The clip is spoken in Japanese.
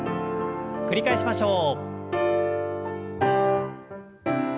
繰り返しましょう。